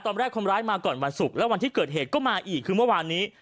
ตอนแรกคนร้ายมาก่อนวันศุกร์แล้ววันที่เกิดเหตุก็มาอีกคือเมื่อวานนี้